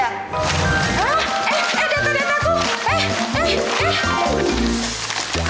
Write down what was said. hah eh eh data dataku eh eh eh